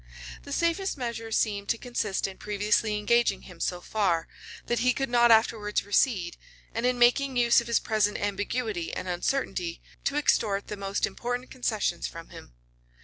The safest measure seemed to consist in previously engaging him so far, that he could not afterwards recede, and in making use of his present ambiguity and uncertainty, to extort the most important concessions from him.